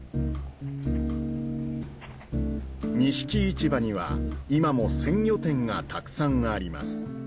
錦市場には今も鮮魚店がたくさんあります